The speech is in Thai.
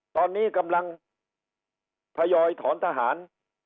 ตอนนี้กำลังทยอยถอนทหาร